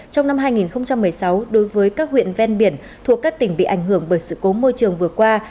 trong năm hai nghìn một mươi sáu đối với các huyện ven biển thuộc các tỉnh bị ảnh hưởng bởi sự cố môi trường vừa qua